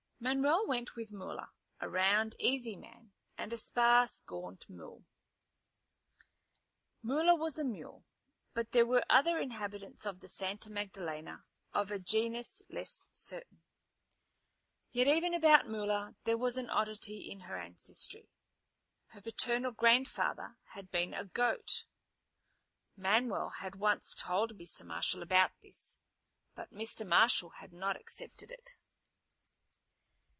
Manuel went with Mula, a round easy man and a sparse gaunt mule. Mula was a mule, but there were other inhabitants of the Santa Magdalena of a genus less certain. Yet even about Mula there was an oddity in her ancestry. Her paternal grandfather had been a goat. Manuel once told Mr. Marshal about this, but Mr. Marshal had not accepted it.